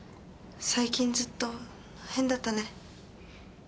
最近ずっと変だったね。